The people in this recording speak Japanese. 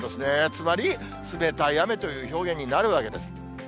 つまり、冷たい雨という表現になるわけです。